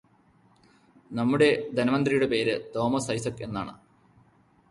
നമ്മുടെ ധനമന്ത്രിയുടെ പേര് തോമസ് ഐസക്ക് എന്നാണ്.